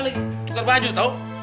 lih tuker baju tau